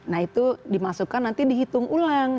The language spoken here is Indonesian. nah itu dimasukkan nanti dihitung ulang